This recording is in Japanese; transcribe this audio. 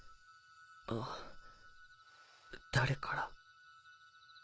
あ誰から？